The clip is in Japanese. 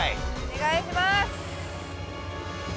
お願いします！